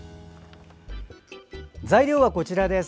材料はこちらです。